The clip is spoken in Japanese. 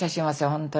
本当に。